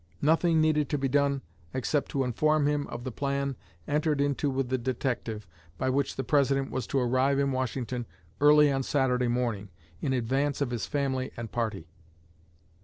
Nothing needed to be done except to inform him of the plan entered into with the detective, by which the President was to arrive in Washington early on Saturday morning, in advance of his family and party.